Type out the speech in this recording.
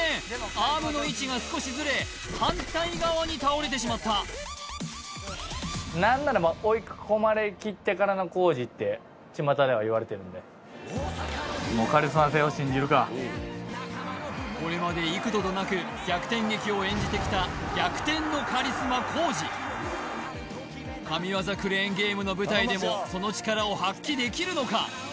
アームの位置が少しずれ反対側に倒れてしまった何ならもうもうこれまで幾度となく逆転劇を演じてきた神業クレーンゲームの舞台でもその力を発揮できるのか？